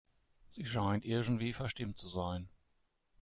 Sie scheint irgendwie verstimmt zu sein.